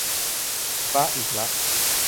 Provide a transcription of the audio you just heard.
พระอีกละ